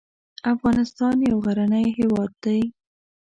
افغانستان یو غرنی هیواد دی